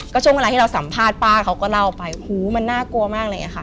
ก็ช่วงเวลาที่เราสัมภาษณ์ป้าเขาก็เล่าไปหูมันน่ากลัวมากอะไรอย่างนี้ค่ะ